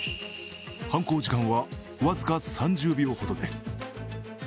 犯行時間は僅か３０秒ほどです。